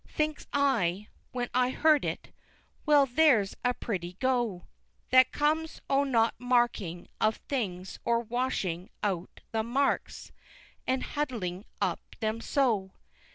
Thinks I, when I heard it Well there's a pretty go! That comes o' not marking of things or washing out the marks, and Huddling 'em up so!